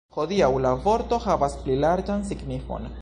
Hodiaŭ, la vorto havas pli larĝan signifon.